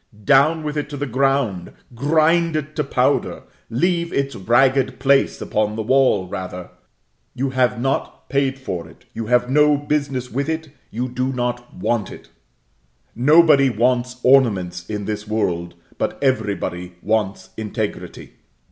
Down with it to the ground, grind it to powder, leave its ragged place upon the wall, rather; you have not paid for it, you have no business with it, you do not want it. Nobody wants ornaments in this world, but everybody wants integrity.